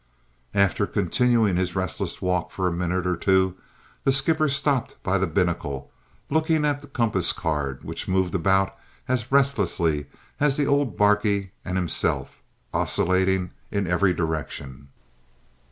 After continuing his restless walk for a minute or two, the skipper stopped by the binnacle, looking at the compass card, which moved about as restlessly as the old barquey and himself, oscillating in every direction.